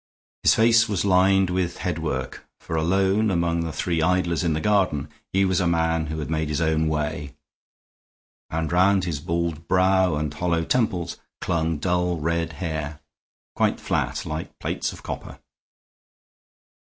His face was lined with headwork, for alone among the three idlers in the garden he was a man who had made his own way; and round his bald brow and hollow temples clung dull red hair, quite flat, like plates of copper.